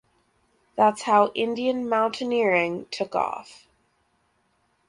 That’s how Indian mountaineering took off.